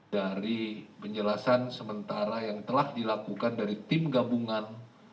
dari penjelasan sementara yang telah dilakukan dari tim gabungan